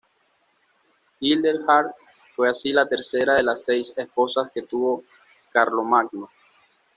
Hildegard fue así la tercera de las seis esposas que tuvo Carlomagno.